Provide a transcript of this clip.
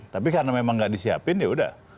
tapi karena memang nggak disiapin yaudah